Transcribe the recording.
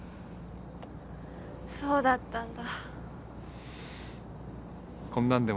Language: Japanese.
そうだったんだ。